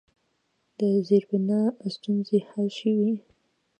د زیربنا ستونزې حل شوي؟